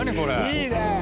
いいね！